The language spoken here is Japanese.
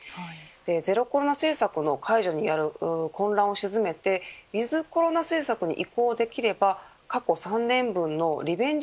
ゼロコロナ政策の解除による混乱を沈めてウィズコロナ政策に移行できれば過去３年分のリベンジ